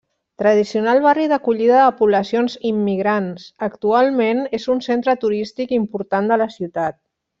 Tradicional barri d'acollida de poblacions immigrants, actualment és un centre turístic important de la ciutat.